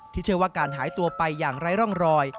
เชื่อว่าการหายตัวไปอย่างไร้ร่องรอย